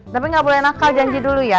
tapi nggak boleh nakal janji dulu ya